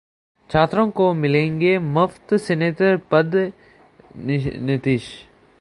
छात्राओं को मिलेंगे मुफ्त सैनेटरी पैड: नीतीश